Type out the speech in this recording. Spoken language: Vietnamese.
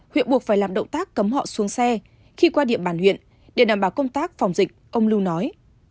huyện buộc phải làm động tác cấm họ xuống xe khi qua địa bàn huyện để đảm bảo công tác phòng dịch ông lưu nói